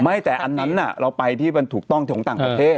ไม่แต่อันนั้นเราไปที่มันถูกต้องของต่างประเทศ